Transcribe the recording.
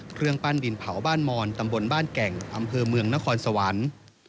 เครื่องปั้นดินเผาบ้านมอนตำบลบ้านแก่งอำเภอเมืองนครสวรรค์